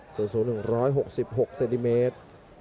สูงหนึ่งร้อยหกสิบหกเซติเมตร